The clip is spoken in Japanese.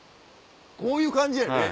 こういう感じやよね